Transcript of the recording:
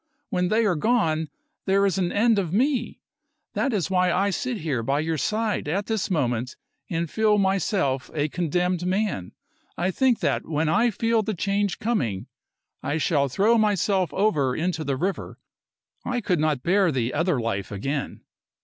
When they are gone there is an end of me. That is why I sit here by your side at this moment and feel myself a condemned man. I think that when I feel the change coming I shall throw myself over into the river. I could not bear the other life again!"